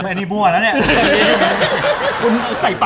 แบบนี้บ้วนแล้วเนี่ย